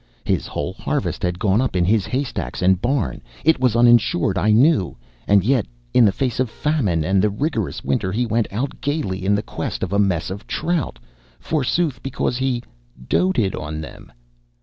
His whole harvest had gone up in his haystacks and barn. It was uninsured, I knew. And yet, in the face of famine and the rigorous winter, he went out gayly in quest of a mess of trout, forsooth, because he "doted" on them!